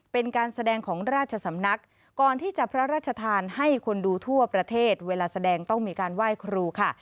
เป็นการแสดงของราชสำนักก่อนที่จะพระราชทานให้คนดูทั่วประเทศเวลาแสดงต้องมีการไหว้ครูค่ะ